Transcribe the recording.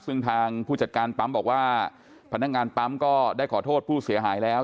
ซึ่งทางผู้จัดการปั๊มบอกว่าพนักงานปั๊มก็ได้ขอโทษผู้เสียหายแล้ว